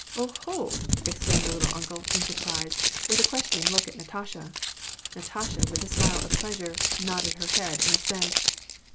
" Oho !" exclaimed the " little uncle," in surprise, with a questioning look at Natasha. Natasha, with a smile of pleas ure, nodded her head in assent.